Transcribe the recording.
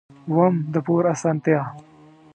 اووم: د پور اسانتیا.